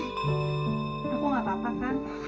aku tidak apa apa kan